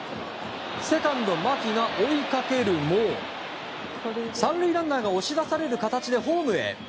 セカンド、牧が追いかけるも３塁ランナーが押し出される形でホームへ。